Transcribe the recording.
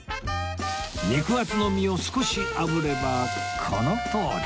肉厚の身を少しあぶればこのとおり